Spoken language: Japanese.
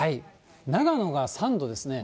長野が３度ですね、